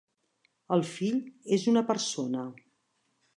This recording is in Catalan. El fill és una persona.